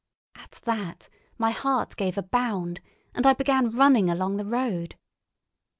At that my heart gave a bound, and I began running along the road.